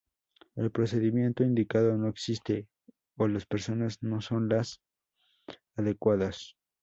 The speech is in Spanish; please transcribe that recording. El procedimiento indicado no existe, o las personas no son las adecuadas.